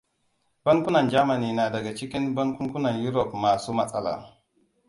Bankunan Jamani na daga cikin bankunan Europe masu matsala.